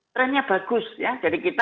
trendnya bagus ya jadi kita